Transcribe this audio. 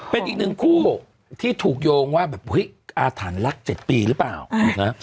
เป็นอีกหนึ่งคู่ที่ถูกโยงว่าแบบอุ๊ยอาถารณ์รักเจ็ดปีหรือเปล่านะฮะ